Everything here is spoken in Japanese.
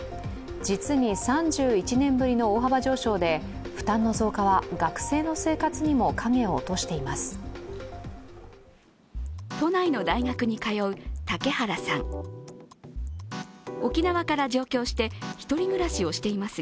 実に３１年ぶりの大幅上昇で、負担の増加は学生の生活にも影を落としています。